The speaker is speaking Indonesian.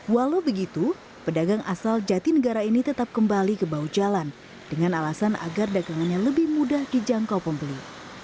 walau begitu pedagang asal jati negara ini tetap kembali ke bahu jalan dengan alasan agar dagangannya lebih mudah dijangkau pembeli